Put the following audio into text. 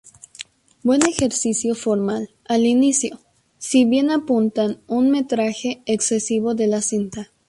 Buen ejercicio formal al inicio, si bien apuntan un metraje excesivo de la cinta.